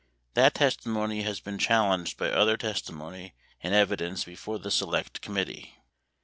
That testimony has been challenged by other testimony and evidence before the Select Committee.